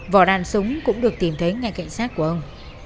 vỏ đạn súng cũng được tìm thấy ngay cạnh sát của ông